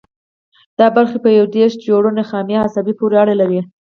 دا برخې په یو دېرش جوړو نخاعي عصبو پورې اړه لري.